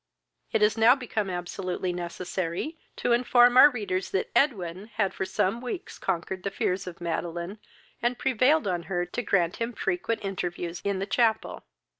It is now become absolutely necessary to inform our readers that Edwin had for some weeks conquered the fears of Madeline, and prevailed on her to grant him frequent interviews in the chapel.